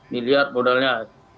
seratus miliar modalnya